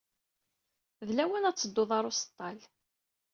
D lawan ad tedduḍ ɣer useḍḍal.